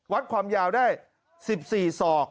วัดความยาวได้๑๔ศอก